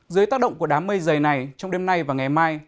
dưới tác động của đám mây dày này trong đêm nay và ngày mai